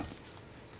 pak ji pak ji